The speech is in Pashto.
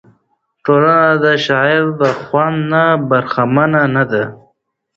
ټولنه د شاعر د خوند نه برخمنه نه ده.